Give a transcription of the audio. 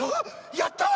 やったわ！